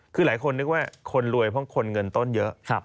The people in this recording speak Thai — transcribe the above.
คือหลายคนนึกว่าคนรวยเพราะคนเงินต้นเยอะ